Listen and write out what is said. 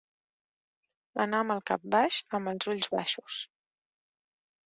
Anar amb el cap baix, amb els ulls baixos.